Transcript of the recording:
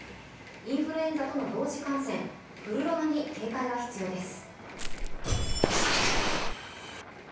インフルエンザとの同時感染、フルロナに警戒が必要です。